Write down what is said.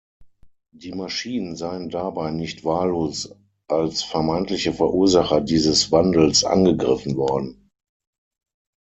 Die Maschinen seien dabei nicht wahllos als vermeintliche Verursacher dieses Wandels angegriffen worden.